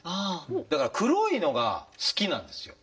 だから黒いのが好きなんですよ。